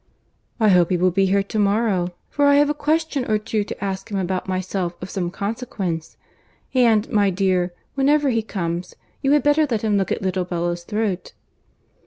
"I hope he will be here to morrow, for I have a question or two to ask him about myself of some consequence. And, my dear, whenever he comes, you had better let him look at little Bella's throat."